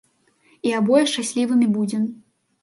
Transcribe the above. І абое шчаслівымі будзем.